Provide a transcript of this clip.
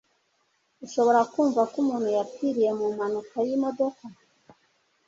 Ushobora kumva ko umuntu yapfiriye mu mpanuka y'imodoka